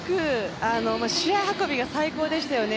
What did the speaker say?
試合運びが最高でしたよね。